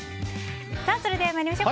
それでは参りましょう。